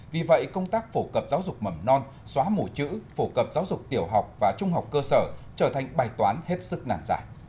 vì vậy công tác phổ cập giáo dục mầm non xóa mùi chữ phổ cập giáo dục tiểu học và trung học cơ sở trở thành bài toán hết sức nàn giải